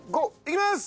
いきます！